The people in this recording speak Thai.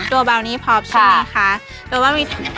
ดัวบาวนี่พอปใช่มั้ยคะ